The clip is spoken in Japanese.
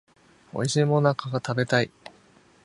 おいしい最中が食べたい